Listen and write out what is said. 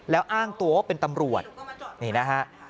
แล้วอ้างตัวเป็นตำรวจ